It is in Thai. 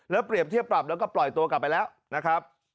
แล้วเปรียบเทียบปรับแล้วก็ปล่อยตัวกลับไปแล้วนะครับ